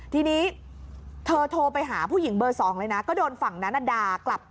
ทีนี้เธอโทรไปหาผู้หญิงเบอร์๒เลยนะก็โดนฝั่งนั้นด่ากลับ